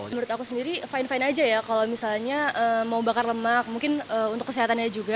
menurut aku sendiri fine fine aja ya kalau misalnya mau bakar lemak mungkin untuk kesehatannya juga